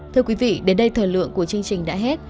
thưa quý vị đến đây thời lượng của chương trình đã hết